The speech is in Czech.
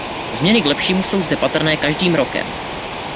Změny k lepšímu jsou zde patrné každým rokem.